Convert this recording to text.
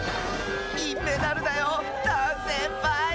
きんメダルだよダンせんぱい！